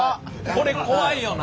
これ怖いよな。